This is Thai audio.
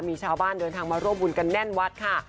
มีชาวบ้านเดินทางมาร่วมบุญกันแน่นวัดค่ะ